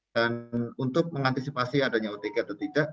dan untuk mengantisipasi adanya otg atau tidak